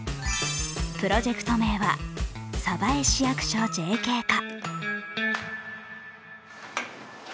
プロジェクト名は「鯖江市役所ＪＫ課」。